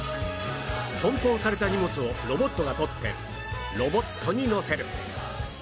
梱包された荷物をロボットが取ってロボットに載せる